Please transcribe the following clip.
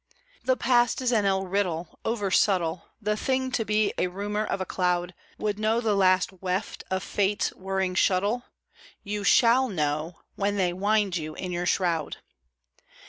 The Past is an ill riddle, over subtle, The Thing to Be a rumour of a cloud, Would know the last weft of Fate's whirring shuttle? You shall know, when they wind you in your shroud.